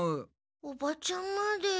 おばちゃんまで。